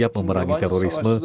jika kita bisa menangani terorisme